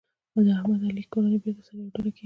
د احمد او علي کورنۍ بېرته سره یوه ډله کېږي.